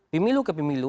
pemilu ke pemilu